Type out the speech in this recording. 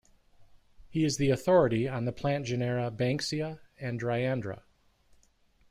He is the authority on the plant genera "Banksia" and "Dryandra".